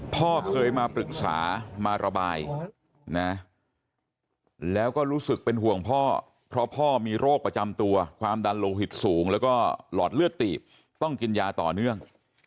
พ่อเคยมาปรึกษามาระบายนะแล้วก็รู้สึกเป็นห่วงพ่อเพราะพ่อมีโรคประจำตัวความดันโลหิตสูงแล้วก็หลอดเลือดตีบต้องกินยาต่อเนื่อง